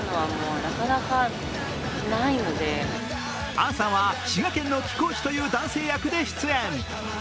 杏さんは滋賀県の貴公子という男性役で出演。